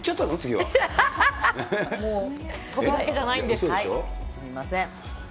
すみません。